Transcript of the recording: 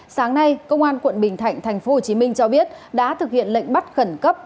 sáng nay công an quận bình thạnh tp hcm cho biết đã thực hiện lệnh bắt khẩn cấp